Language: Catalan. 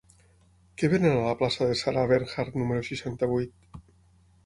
Què venen a la plaça de Sarah Bernhardt número seixanta-vuit?